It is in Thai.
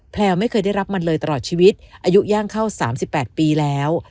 แลวไม่เคยได้รับมันเลยตลอดชีวิตอายุย่างเข้า๓๘ปีแล้ว